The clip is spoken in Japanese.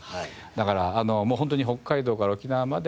だからもうホントに北海道から沖縄まで。